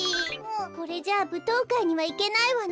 これじゃあぶとうかいにはいけないわね。